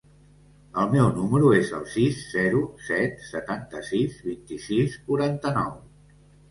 El meu número es el sis, zero, set, setanta-sis, vint-i-sis, quaranta-nou.